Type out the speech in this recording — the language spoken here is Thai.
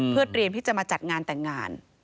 เพื่อเตรียมที่จะมาจัดงานแต่งงาน